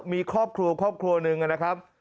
มีครอบครัวครอบครัวหนึ่งนะครับ